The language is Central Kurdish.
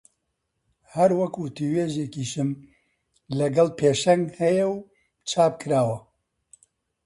هەر وەک وتووێژێکیشم لەگەڵ پێشەنگ هەیە و چاپ کراوە